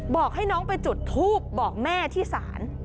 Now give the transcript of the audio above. บอกให้น้องไปจุดทูบบอกแม่ที่ศาล